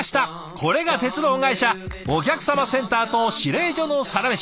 これが鉄道会社お客さまセンターと指令所のサラメシ。